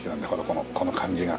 このこの感じが。